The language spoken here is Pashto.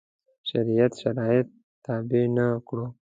شریعت شرایط تابع نه کړو.